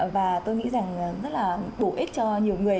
và tôi nghĩ rằng rất là bổ ích cho nhiều người